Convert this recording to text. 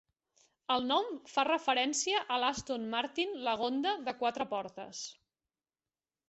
El nom fa referència al Aston Martin Lagonda de quatre portes.